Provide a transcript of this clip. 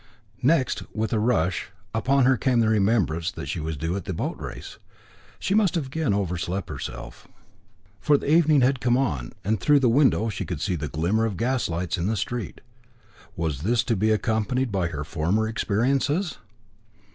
Next, with a rush, upon her came the remembrance that she was due at the boat race. She must again have overslept herself, for the evening had come on, and through the window she could see the glimmer of gaslights in the street. Was this to be accompanied by her former experiences?